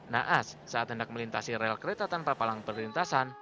naas saat hendak melintasi rel kereta tanpa palang perlintasan